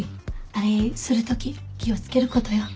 あれするとき気を付けることよ。